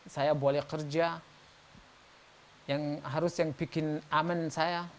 saya boleh kerja yang harus yang bikin aman saya